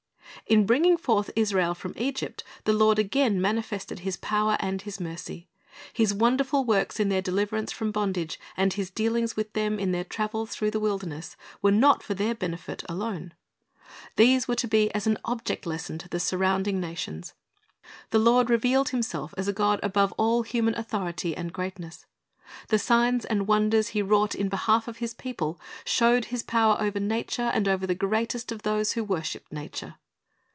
In bringing forth Israel from Egypt, the Lord again manifested His power and His mercy. His wonderful works in their deliverance from bondage and His dealings with them in their travels through the wilderness, were not for ^Ex. 33: i8, 19; 34:6,7 2ps. 19:7 3 Gen. 12:2 T h c Lor d 's Vi n c y ar d 287 their benefit alone. These were to be as an object lesson to the surrounding nations. The Lord rev^ealed Himself as a God above all human authority and greatness. The signs and wonders He wrought in behalf of His people showed His power over nature and over the greatest of those who worshiped nature.